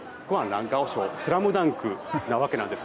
「ＳＬＡＭＤＵＮＫ」なわけなんです。